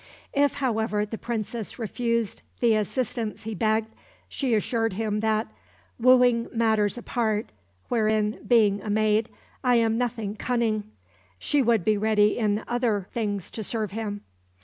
If, however, the Princess refused the assistance he begged, she assured him that, "wooing matters apart, wherein, being a maid, I am nothing cunning," she would be ready in other things to serve him.